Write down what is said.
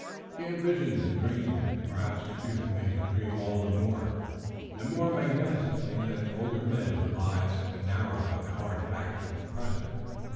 He had his visions and dreams, and perhaps his youth made him dream all the more, and more magnificently than older men whose lives had been narrowed by the hard facts of the present.